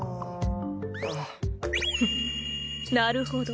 フッなるほど